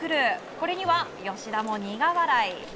これには吉田も苦笑い。